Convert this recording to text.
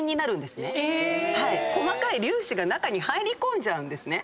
細かい粒子が中に入り込んじゃうんです。